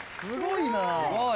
すごいな。